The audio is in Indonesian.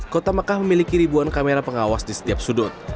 kota mekah memiliki ribuan kamera pengawas di setiap sudut